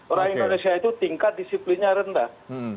orang indonesia itu tingkat disiplinnya rendah